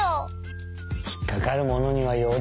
ひっかかるものにはよう